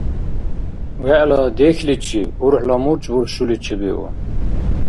ВегӀла дехьличиб урхӀла мурчӀ буршули чебиу.